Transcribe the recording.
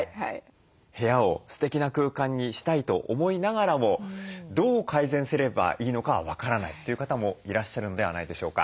部屋をステキな空間にしたいと思いながらもどう改善すればいいのか分からないという方もいらっしゃるのではないでしょうか。